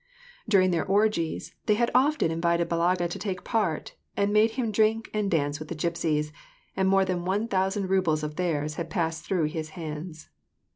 During their orgies, they had often invited Balaga to take part, and made him drink and dance with the gypsies, and more than one thousand rubles of theirs had passed through his hands.